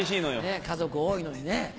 ねぇ家族多いのにね。